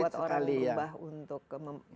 membuat orang berubah untuk mem